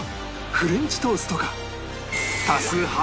フレンチトーストか？